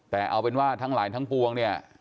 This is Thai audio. แต่เอาเป็นว่าทั้งหลายทั้งปวงเนี่ย